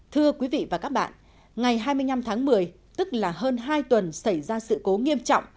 thưa quý vị và các bạn ngày hai mươi năm tháng một mươi tức là hơn hai tuần xảy ra sự cố nghiêm trọng